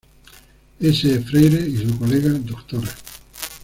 S. E. Freire, y su colega Dra.